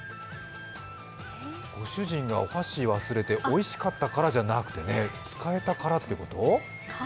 ご主人がお箸忘れておいしかったからじゃなくて、使えたからってこと？